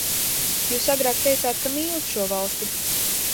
Jūs agrāk teicāt, ka mīlat šo valsti.